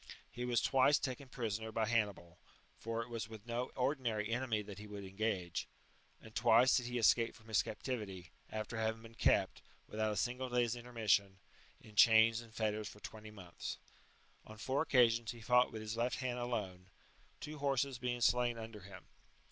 He was twice taken prisoner by Hannibal, (for it was with no ordinary enemy that he would engage,) and twice did he escape from his captivity, after having been kept, without a single day's intermission, in chains and fetters for twenty months. On four occasions he fought with his left hand alone, two horses being slain under him.